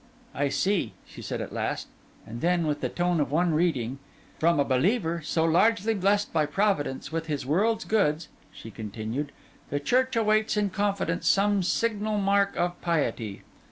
'I see,' she said at last; and then, with the tone of one reading: '"From a believer so largely blessed by Providence with this world's goods,"' she continued, '"the Church awaits in confidence some signal mark of piety."